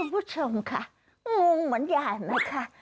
คุณผู้ชมค่ะงงเหมือนกันนะคะ